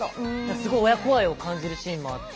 すごい親子愛を感じるシーンもあって。